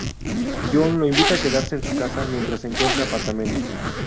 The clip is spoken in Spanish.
John lo invita a quedarse en su casa mientras encuentra apartamento.